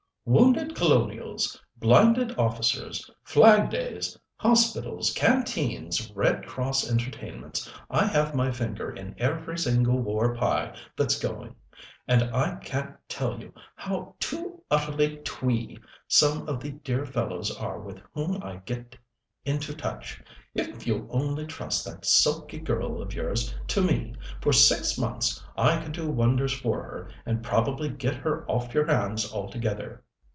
"Wounded Colonials, blinded officers, Flag days, hospitals, canteens, Red Cross entertainments I have my finger in every single war pie that's going, and I can't tell you how too utterly twee some of the dear fellows are with whom I get into touch. If you'll only trust that sulky girl of yours to me for six months, I could do wonders for her, and probably get her off your hands altogether.